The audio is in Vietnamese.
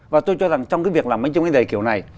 và tôi cho rằng trong cái việc làm bánh chim bánh dày kiểu này